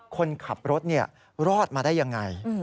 คนขับรถรอดมาได้ยังไง